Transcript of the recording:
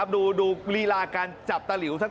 ดูดูฤีฬาการจับรว